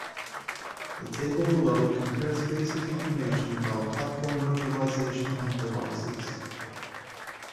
The table below compares basic information about platform virtualization hypervisors.